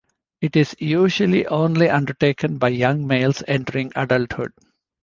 It is usually only undertaken by young males entering adulthood.